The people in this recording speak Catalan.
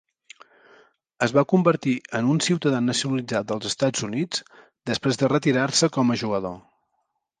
Es va convertir en un ciutadà nacionalitzat dels Estats Units després de retirar-se com a jugador.